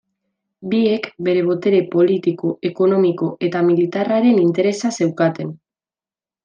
Biek bere botere politiko, ekonomiko eta militarraren interesa zeukaten.